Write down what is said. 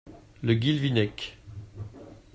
Le Guilvinec.